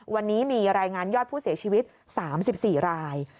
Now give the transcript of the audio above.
วันนี้มีรายงานยอดผู้เสียชีวิต๓๔ราย